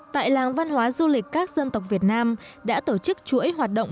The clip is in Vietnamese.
tại làng văn hóa du lịch các dân tộc việt nam đã tổ chức chuỗi hoạt động